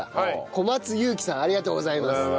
小松優記さんありがとうございます。